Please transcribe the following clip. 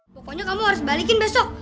pokoknya kamu harus balikin besok